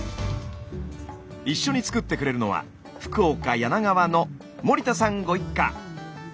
一緒に作ってくれるのは福岡柳川の森田さんご一家。